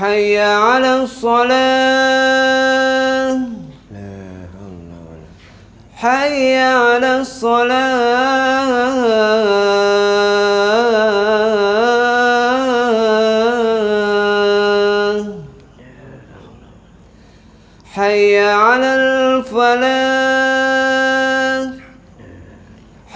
asyhaduh unnah muhammadun rasulullah